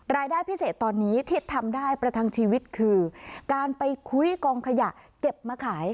รายได้พิเศษตอนนี้ที่ทำได้ประทังชีวิตคือการไปคุ้ยกองขยะเก็บมาขาย